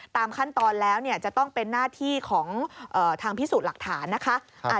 ตามขั้นตอนแล้วจะต้องเป็นหน้าที่ของทางพิสูจน์หลักฐานนะคะ